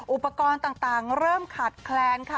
อุปกรณ์ต่างเริ่มขาดแคลนค่ะ